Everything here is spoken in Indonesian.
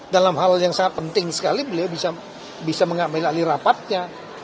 dalam hal yang sangat penting sekali beliau bisa mengambil alih rapatnya